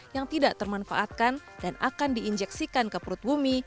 yang tidak termanfaatkan dan akan diinjeksikan ke perut bumi